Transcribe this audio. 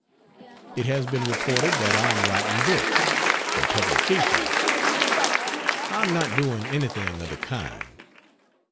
It has been reported that I am writing books for publication; I am not doing anything of the kind.